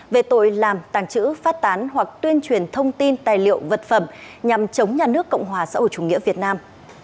về tội làm tàng trữ phát tán hoặc tuyên truyền thông tin tài liệu vật phẩm nhằm chống nhà nước cộng hòa xã hội chủ nghĩa việt nam